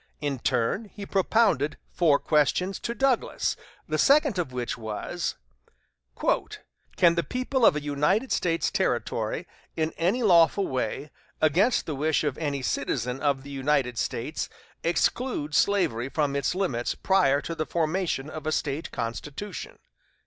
In turn he propounded four questions to Douglas, the second of which was: "Can the people of a United States Territory in any lawful way, against the wish of any citizen of the United States, exclude slavery from its limits prior to the formation of a State constitution?"